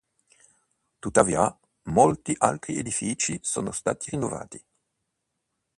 Tuttavia, molti altri edifici sono stati rinnovati.